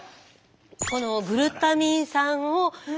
このグルタミン酸を。